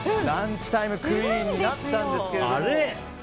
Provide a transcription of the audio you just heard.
ランチタイムクイーンになったんですけど。